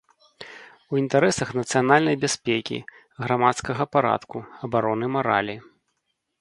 У інтарэсах нацыянальнай бяспекі, грамадскага парадку, абароны маралі.